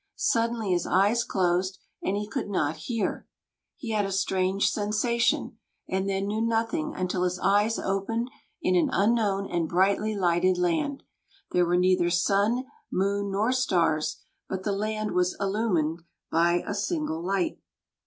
Suddenly his eyes closed, and he could not hear. He had a strange sensation, and then knew nothing until his eyes opened in an unknown and brightly lighted land. There were neither sun, moon, nor stars; but the land was illumined by a singular light.